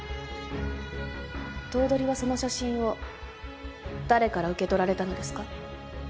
頭取はその写真を誰から受け取られたのですか？